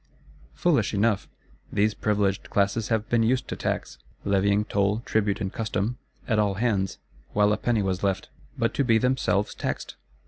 Foolish enough! These Privileged Classes have been used to tax; levying toll, tribute and custom, at all hands, while a penny was left: but to be themselves taxed?